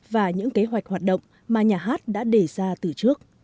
và những kế hoạch hoạt động mà nhà hát đã đề ra từ trước